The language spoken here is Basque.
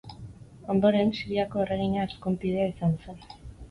Ondoren, Siriako erregina ezkontidea izan zen.